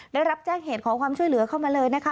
ได้รับแจ้งเหตุขอความช่วยเหลือเข้ามาเลยนะคะ